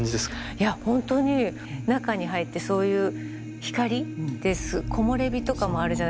いやほんとに中に入ってそういう光で木漏れ日とかもあるじゃないですか。